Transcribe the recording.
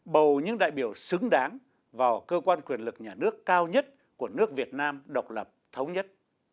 bầu những đại biểu xứng đáng vào cơ quan quyền lực nhà nước cao nhất của nước việt nam độc lập thống nhất